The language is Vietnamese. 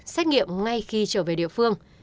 xét nghiệm ngay khi trở về địa phương